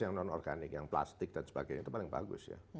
yang non organik yang plastik dan sebagainya itu paling bagus ya